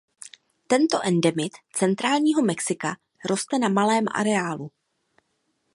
Tento endemit centrálního Mexika roste na malém areálu.